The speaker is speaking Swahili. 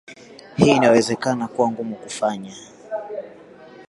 Hii inaweza ikaonekana kuwa ngumu kufanya